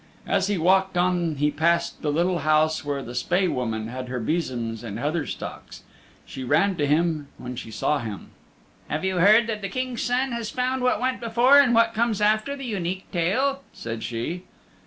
As he walked on he passed the little house where the Spae Woman had her besoms and heather stalks. She ran to him when she saw him. "Have you heard that the King's Son has found what went before, and what comes after the Unique Tale?" said she.